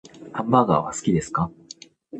ハンバーガーは好きですか？